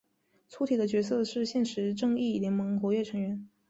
粗体的角色是现时正义联盟活跃成员。